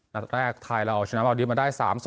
นัดแรกไทยราวชนะมาได้๓๐